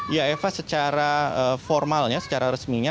ya eva secara formalnya secara resminya